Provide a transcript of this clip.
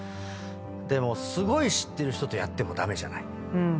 でもすごい知ってる人とやっても駄目じゃない。